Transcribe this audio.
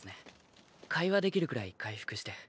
会話できるくらい回復して。